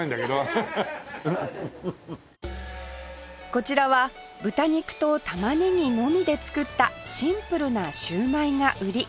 こちらは豚肉と玉ねぎのみで作ったシンプルなシューマイが売り